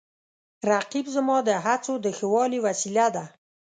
رقیب زما د هڅو د ښه والي وسیله ده